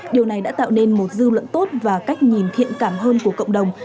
điều này đã tạo nên một dư luận tốt và cách nhìn thiện cảm hơn của cộng đồng